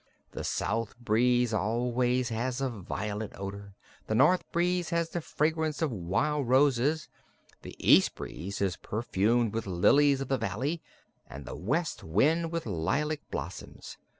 The south breeze always has a violet odor; the north breeze has the fragrance of wild roses; the east breeze is perfumed with lilies of the valley and the west wind with lilac blossoms.